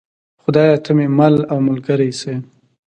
خدایه ته مې مل او ملګری شې.